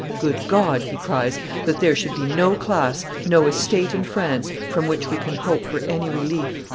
"Good God!" he cries, "that there should be no class, no estate in France, from which we can hope for any relief!